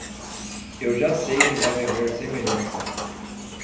Eu já sei que deve haver semelhanças.